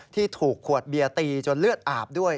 ที่ถูกขวดเบียร์ตีจนเลือดอาบด้วย